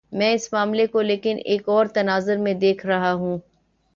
میں اس معاملے کو لیکن ایک اور تناظر میں دیکھ رہا ہوں۔